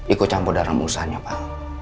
ikut campur dalam musanya pak